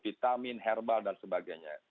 vitamin herbal dan sebagainya